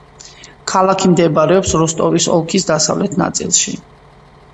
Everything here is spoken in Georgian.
ქალაქი მდებარეობს როსტოვის ოლქის დასავლეთ ნაწილში.